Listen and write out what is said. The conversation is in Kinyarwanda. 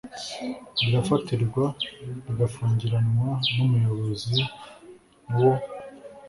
rirafatirwa rigafungiranwa n Umuyobozi wo